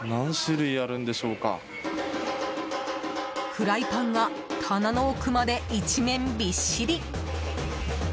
フライパンが棚の奥まで一面びっしり！